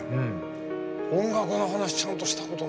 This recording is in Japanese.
音楽の話ちゃんとしたことないんだよね。